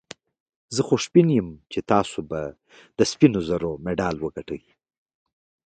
زه خوشبین یم چي ته به د سپینو زرو مډال وګټې.